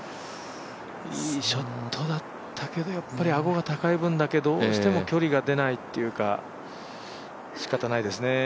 いいショットだったけどアゴが高い分、どうしても距離が出ないっていうかしかたないですね。